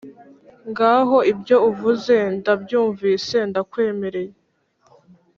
Ngaho ibyo uvuze ndabyumvise, ndakwemereye.